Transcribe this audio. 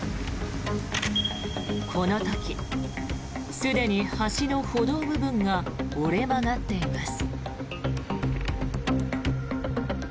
この時、すでに橋の歩道部分が折れ曲がっています。